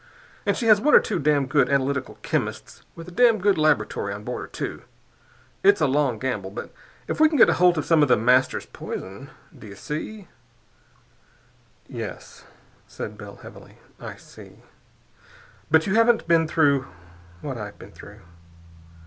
And she has one or two damned good analytical chemists with a damned good laboratory on board her, too. It's a long gamble, but if we can get hold of some of The Master's poison.... Do you see?" "Yes," said Bell heavily. "I see. But you haven't been through what I've been through.